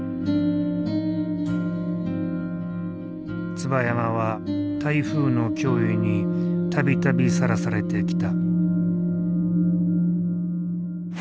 椿山は台風の脅威に度々さらされてきた。